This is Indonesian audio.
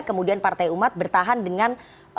kemudian partai umat bertahan dengan